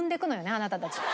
あなたたちって。